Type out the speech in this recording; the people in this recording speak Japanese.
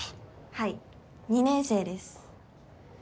はい２年生です。